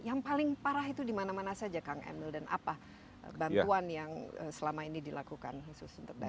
yang paling parah itu dimana mana saja kang emil dan apa bantuan yang selama ini dilakukan khusus untuk daerah